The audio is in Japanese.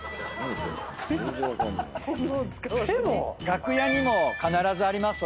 楽屋にも必ずあります